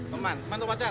teman teman untuk pacar